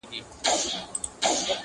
کورنۍ لا هم ټوټه ټوټه ده-